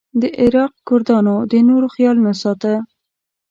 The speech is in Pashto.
د عراق کردانو د نورو خیال نه ساته.